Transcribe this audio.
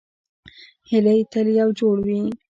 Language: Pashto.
هیلۍ تل یو جوړ وي